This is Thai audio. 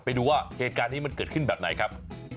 ไปดูว่าเหตุการณ์นี้มันเกิดขึ้นแบบไหนครับ